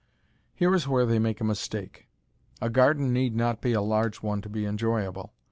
Here is where they make a mistake. A garden need not be a large one to be enjoyable.